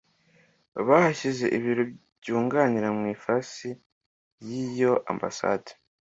bahashyize ibiro byunganira mu ifasi y’iyo ambasade